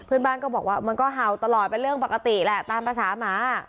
เพื่อนบ้านก็บอกว่ามันก็เห่าตลอดเป็นเรื่องปกติแหละตามภาษาหมา